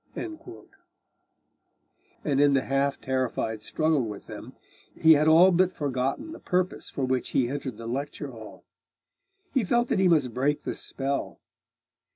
And in the half terrified struggle with them, he had all but forgotten the purpose for which he entered the lecture hall. He felt that he must break the spell.